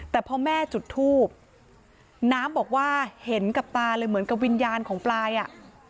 แต่พอแม่จุดทูบน้ำบอกว่าเห็นกับตาเลยเหมือนกับวิญญาณของปลายอ่ะ